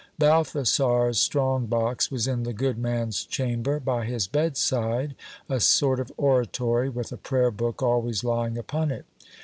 Balthasar's strong box was in the good man's chamber, by his bed side, a sort of oratory, with a prayer book always lying upon it.